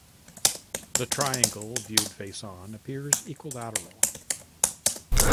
The triangle, viewed face-on, appears equilateral.